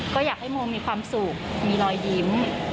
ก็อยากให้โมมีความสุขมีรอยยิ้ม